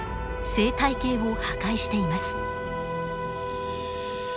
生態系を破壊しています。